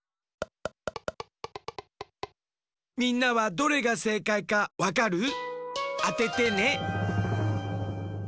みんなはどれがせいかいかわかる？あててね。